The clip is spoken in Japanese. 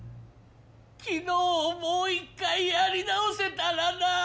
昨日をもう一回やり直せたらなあ。